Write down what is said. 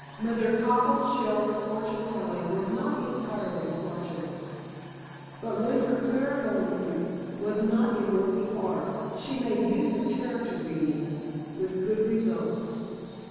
Mother Cockleshell's fortune telling was not entirely fraudulent, but when her clairvoyance was not in working order she made use of character reading with good results.